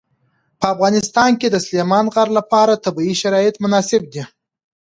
په افغانستان کې د سلیمان غر لپاره طبیعي شرایط مناسب دي.